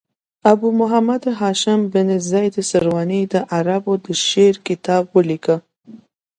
ابو محمد هاشم بن زید سرواني د عربو د شعر کتاب ولیکه.